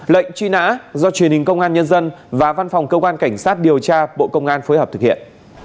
lệnh truy nã do truyền hình công an nhân dân và văn phòng cơ quan cảnh sát điều tra bộ công an phối hợp thực hiện